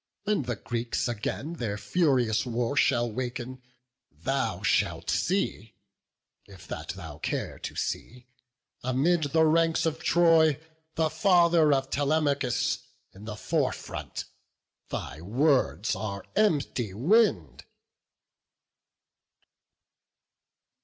when the Greeks again The furious war shall waken, thou shalt see (If that thou care to see) amid the ranks Of Troy, the father of Telemachus In the fore front: thy words are empty wind."